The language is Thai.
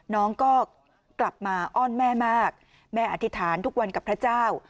น้องก็กลับมาอ้อนแม่มากแม่อธิษฐานทุกวันกับพระเจ้า